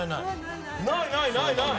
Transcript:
ないないないない。